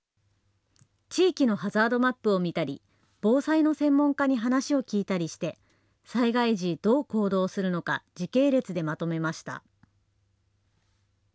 地域のハザードマップを見たり防災の専門家に話を聞いたりして災害時、どう行動するのか時系列でまとめました。